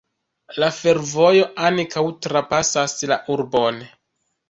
La fervojo ankaŭ trapasas la urbon.